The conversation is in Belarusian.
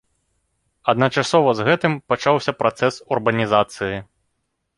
Адначасова з гэтым пачаўся працэс урбанізацыі.